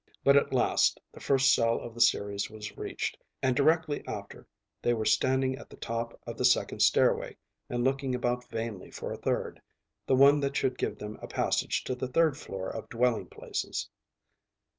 But at last the first cell of the series was reached, and directly after they were standing at the top of the second stairway and looking about vainly for a third the one that should give them a passage to the third floor of dwelling places.